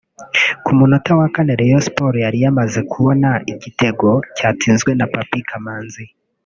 Ku munota wa kane Rayon Sports yari yamaze kubona igitego cyatsinzwe na Papy Kamanzi